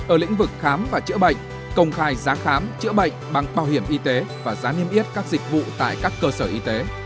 ở lĩnh vực khám và chữa bệnh công khai giá khám chữa bệnh bằng bảo hiểm y tế và giá niêm yết các dịch vụ tại các cơ sở y tế